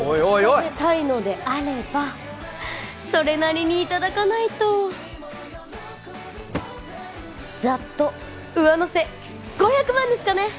聞かせたいのであればそれなりにいただかないとざっと上乗せ５００万ですかね！